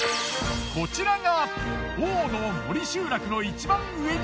こちらが。